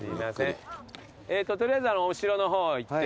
取りあえずお城の方行って。